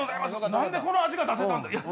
なんでこの味が出せたんや。